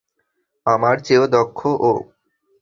আমার চেয়েও দক্ষ ও।